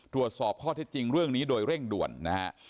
ตรวจสอบข้อเท็จจริงเรื่องนี้โดยเร่งด่วนนะฮะ